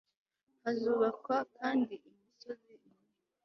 hazubakwa kandi imisozi minini